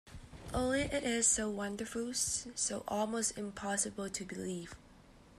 Only, it is so wonderful, so almost impossible to believe.